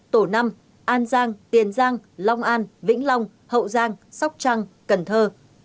tổ năm an giang tiền giang long an vĩnh long hậu giang sóc trăng cần thơ